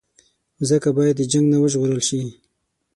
مځکه باید د جنګ نه وژغورل شي.